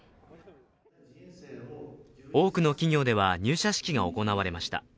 多くの企業では入社式が行われました。